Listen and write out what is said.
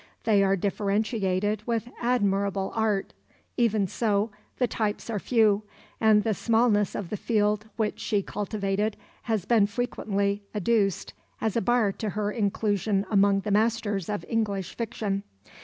They are differentiated with admirable art. Even so, the types are few, and the smallness of the field which she cultivated has been frequently adduced as a bar to her inclusion among the masters of English fiction.